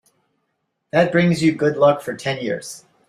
That brings you good luck for ten years.